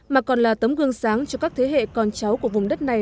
mà còn là tấm gương sáng cho các thế hệ con cháu của vùng đất này